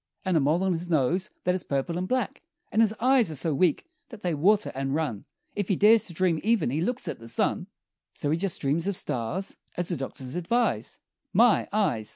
And a mole on his nose that is purple and black; And his eyes are so weak that they water and run If he dares to dream even he looks at the sun, So he just dreams of stars, as the doctors advise My! Eyes!